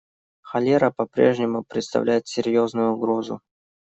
Холера по-прежнему представляет серьезную угрозу.